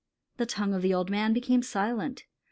The tongue of the old man became silent.